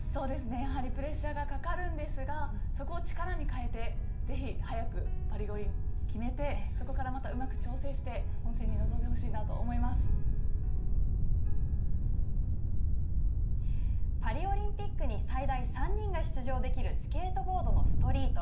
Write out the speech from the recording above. やはりプレッシャーがかかるんですが、そこを力に変えてぜひ、早く、パリ五輪を決めて、そこからまたうまく調整してパリオリンピックに最大３人が出場できるスケートボードのストリート。